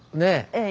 ええ。